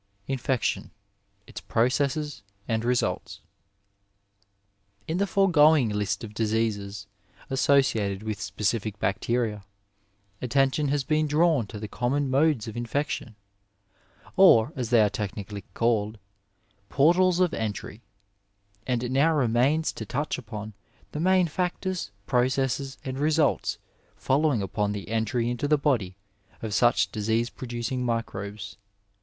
INFECTION— ITS PROCESSES AND RESULTS In the foregoing list of diseases associated with specific bacteria, attention has been drawn to the common modes of infection, or, as they are technically called, " portals of entry," and it now remains to touch upon the main factors, processes, and results following upon the entry into the body of such disease producing microbes.